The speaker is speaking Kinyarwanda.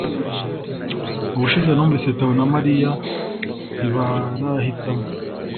Ubushize numvise Theo na Mariya ntibarahitamo